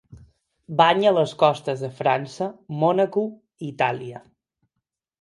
Banya les costes de França, Mònaco i Itàlia.